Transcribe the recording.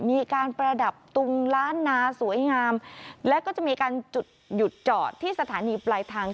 มีการประดับตุงล้านนาสวยงามแล้วก็จะมีการจุดหยุดจอดที่สถานีปลายทาง